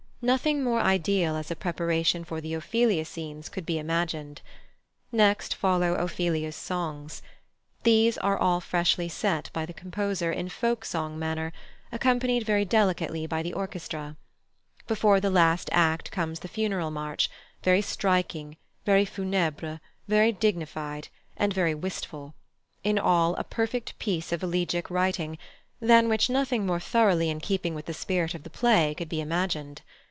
Nothing more ideal as preparation for the Ophelia scenes could be imagined. Next follow Ophelia's songs. These are all freshly set by the composer in folk song manner, accompanied very delicately by the orchestra. Before the last act comes the Funeral March, very striking, very funèbre, very dignified, and very wistful; in all, a perfect piece of elegiac writing, than which nothing more thoroughly in keeping with the spirit of the play could be imagined.